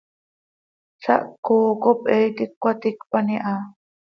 Zaah ccooo cop he iti cöcaticpan iha.